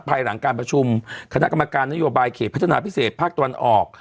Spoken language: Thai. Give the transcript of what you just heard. ภายหลังการประชุมคณะกรรมการนโยบายเขตพัฒนาพิเศษภาคตะวันออก